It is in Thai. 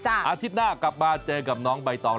อาทิตย์หน้ากลับมาเจอกับน้องใบตอง